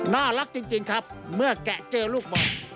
น่ารักจริงครับเมื่อแกะเจอลูกบอล